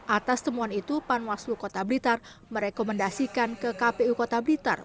atas temuan itu panwaslu kota blitar merekomendasikan ke kpu kota blitar